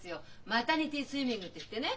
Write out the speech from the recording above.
マタニティースイミングって言ってね